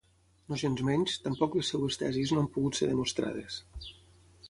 Nogensmenys, tampoc les seves tesis no han pogut ser demostrades.